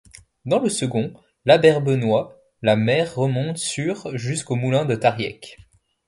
Dans le second, l'Aber Benoît, la mer remonte sur jusqu'au moulin de Tariec.